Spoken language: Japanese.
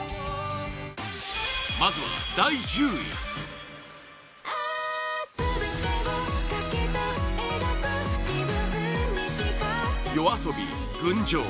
まずは、第１０位ＹＯＡＳＯＢＩ、「群青」